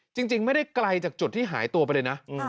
จริงไม่ได้ไกลจากจุดที่หายตัวไปเลยนะ